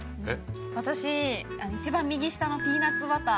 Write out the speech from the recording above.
私一番右下のピーナッツバター。